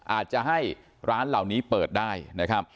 อาจจะให้ร้านเหล่านี้เปิดได้นะครับ